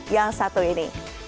yang satu ini